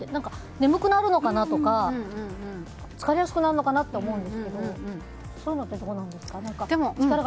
眠くなるのかなとか疲れやすくなるのかなと思うんですけどそういうのってどうなんですか？